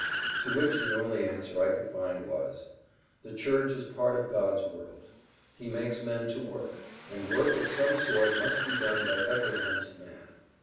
To which the only answer I could find was, "The Church is part of God's world. He makes men to work; and work of some sort must be done by every honest man.